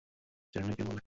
জানি নে কে বললে?